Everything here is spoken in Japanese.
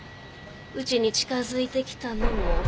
うちに近づいてきたのも。